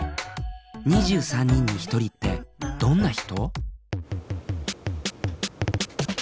２３人に１人ってどんな人？